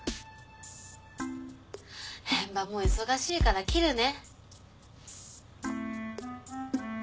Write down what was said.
へばもう忙しいから切るね。